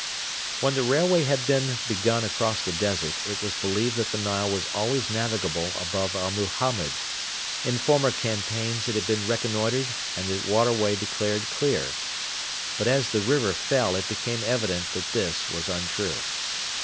When the railway had been begun across the desert, it was believed that the Nile was always navigable above Abu Hamed. In former campaigns it had been reconnoitred and the waterway declared clear. But as the river fell it became evident that this was untrue.